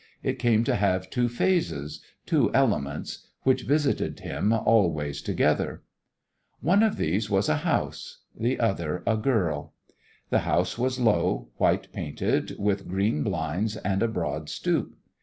It came to have two phases, two elements, which visited him always together. One of these was a house; the other a girl. The house was low, white painted, with green blinds and a broad stoop.